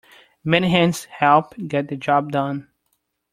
Many hands help get the job done.